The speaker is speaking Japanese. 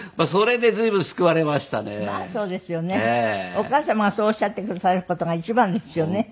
お母様がそうおっしゃってくださる事が一番ですよね。